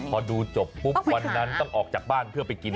พอดูจบปุ๊บวันนั้นต้องออกจากบ้านเพื่อไปกิน